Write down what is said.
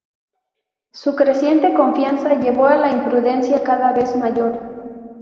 Su creciente confianza llevó a la imprudencia cada vez mayor.